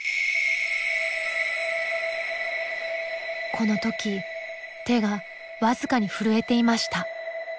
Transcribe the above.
この時手が僅かに震えていました。